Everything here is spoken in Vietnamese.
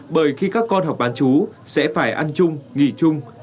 bởi khi các con học bán chú sẽ phải ăn chung nghỉ chung